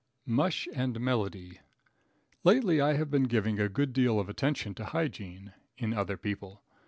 Mush and Melody. Lately I have been giving a good deal of attention to hygiene in other people.